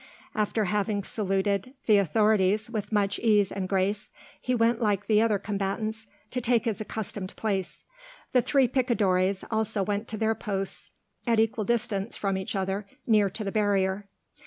After having saluted the authorities with much ease and grace, he went like the other combatants to take his accustomed place. The three picadores also went to their posts, at equal distance from each other, near to the barrier.